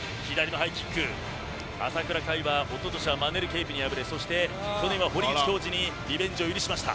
朝倉海は一昨年マネル・ケイプに敗れそして、去年は堀口恭司にリベンジを許しました。